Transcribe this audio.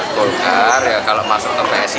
kolkar ya kalau masuk ke psd